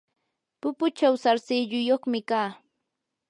pupuchaw sarsilluyuqmi kaa.